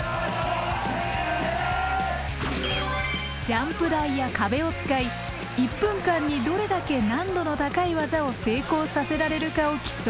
ジャンプ台や壁を使い１分間にどれだけ難度の高い技を成功させられるかを競う。